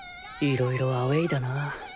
いろいろアウェイだな